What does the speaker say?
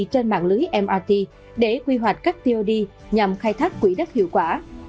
trên mạng lưới mrt để quy hoạch các trd nhằm khai thác quỹ đất hiệu quả